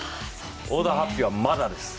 オーダー発表はまだです。